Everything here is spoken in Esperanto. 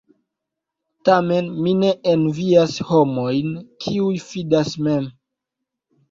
Tamen mi ne envias homojn, kiuj fidas mem.